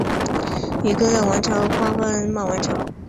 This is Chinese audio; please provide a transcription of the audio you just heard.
与哥疾宁王朝瓜分萨曼王朝。